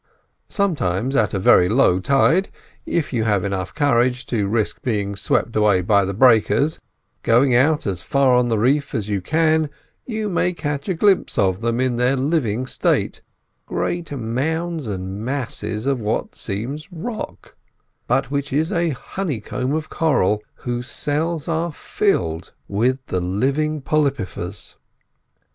Sometimes, at very low tide, if you have courage enough to risk being swept away by the breakers, going as far out on the reef as you can, you may catch a glimpse of them in their living state—great mounds and masses of what seems rock, but which is a honeycomb of coral, whose cells are filled with the living polypifers.